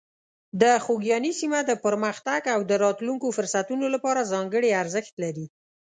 د خوږیاڼي سیمه د پرمختګ او د راتلونکو فرصتونو لپاره ځانګړې ارزښت لري.